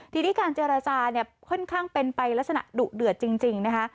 ทีนี้การเจรจาเนี่ยค่อนข้างเป็นไปลักษณะดุเดือดจริงนะคะ